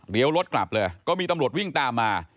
เดี๋ยวรถกลับเลยก็มีตำรวจวิ่งตามมา